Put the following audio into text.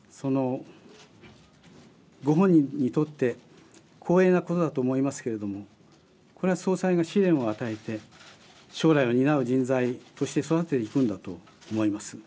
これは、ご本人にとって光栄なことだと思いますけれどもこれは総裁が試練を与えて将来を担う人材として育てていくんだと思います。